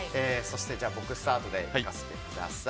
僕スタートで行かせてください。